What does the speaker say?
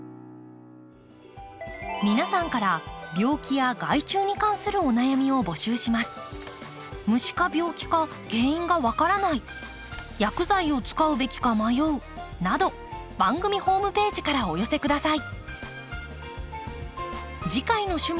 皆さんから病気や害虫に関するお悩みを募集します。など番組ホームページからお寄せください。